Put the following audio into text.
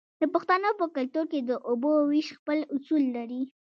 د پښتنو په کلتور کې د اوبو ویش خپل اصول لري.